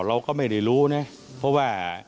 เราก็ไม่ได้รู้นะเพราะว่า